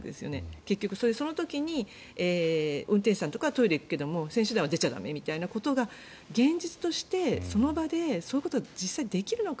結局、それでその時に運転手さんとかはトイレに行くけど選手団は出ちゃ駄目みたいなことが現実としてその場でそういうことが実際にできるのか。